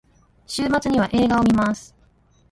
週末には映画を観ます。